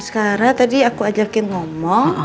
sekarang tadi aku ajakin ngomong